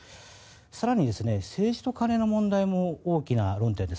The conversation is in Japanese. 更に、政治と金の問題も大きな論点です。